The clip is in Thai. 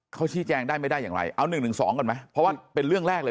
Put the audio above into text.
เขาชี้แจงได้ไม่ได้อย่างไรเอา๑๑๒ก่อนไหมเพราะว่าเป็นเรื่องแรกเลย